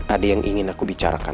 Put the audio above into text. ada yang ingin aku bicarakan